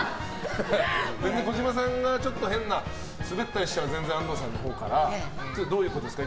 児嶋さんがちょっと変なスベったりしたら全然、安藤さんのほうからどういうことですか？